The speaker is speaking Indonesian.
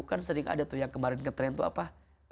kan sering ada tuh yang kemarin ngetrend tuh apa